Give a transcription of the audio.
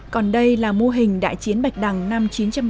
còn đây là mô hình đại chiến bạch đằng năm một nghìn chín trăm ba mươi tám